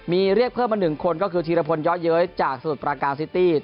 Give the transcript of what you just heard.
มีเรียกเพิ่มมา๑คนก็คือธีรพลย้อเย้ยจากสมุทรประการซิตี้